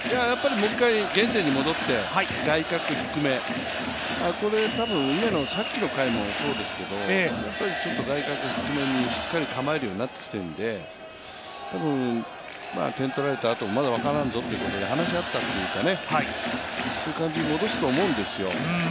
もう１回原点に戻って、外角低め、これ、多分、梅野さっきの回もそうですけど、やっぱり外角低めにしっかり構えるようになってきているのでたぶん、点取られたあと、まだ分からんぞということで話し合ったというか、そういう感じに戻すと思うんですよ。